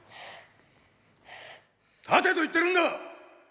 立てと言ってるんだ！！